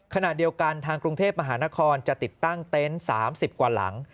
ขณะเดียวกันทางกรุงเทพมหานครจะติดตั้งเต็นต์๓๐กว่าหลัง